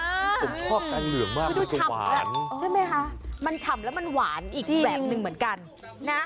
ชอบอันเหลืองมากมันชมแล้วมันหวานอีกแบบหนึ่งเหมือนกัน